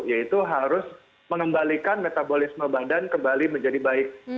yaitu harus mengembalikan metabolisme badan kembali menjadi baik